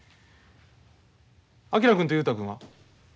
昭君と雄太君は？